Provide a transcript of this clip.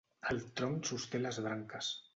El tronc sosté les branques.